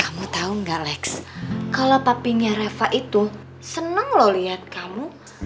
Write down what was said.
kamu tau ga lex kalo papinya reva itu seneng loh liat kamu